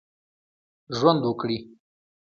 ژوند وکړي.